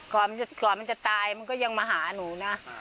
ก่อนมันจะตายมันก็ยังมาหาหนูนะ